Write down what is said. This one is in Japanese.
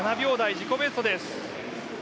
自己ベストです。